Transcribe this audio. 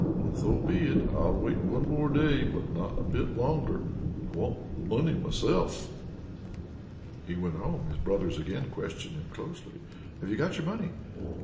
Well, so be it, I'll wait one day more, but not a bit longer. I want the money myself." When he returned home, his brothers again questioned him closely: "Have you got your money?"